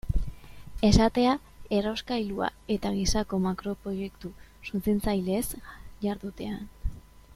Esatea errauskailua eta gisako makroproiektu suntsitzaileez jardutean.